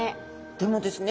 でもですね